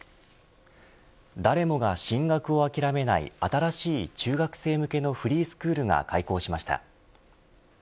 誰もが進学を諦めない新しい中学生向けのフリースクールが開校しました。